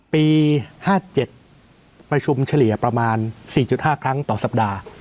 ปีห้าเจ็ดประชุมเฉลี่ยประมาณสี่จุดห้าครั้งต่อสัปดาห์